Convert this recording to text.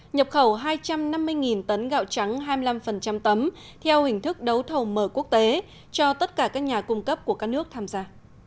nhập khẩu hai trăm năm mươi tấn gạo trắng hai mươi năm tấm theo hình thức đấu thầu mở quốc tế cho tất cả các nhà cung cấp của các nước tham gia